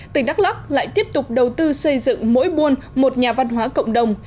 tỉnh đắk lắc lại tiếp tục đầu tư xây dựng mỗi buôn một nhà văn hóa cộng đồng